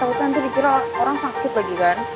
apa tuh nanti dikira orang sakit lagi kan